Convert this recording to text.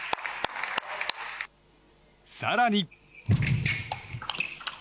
更に。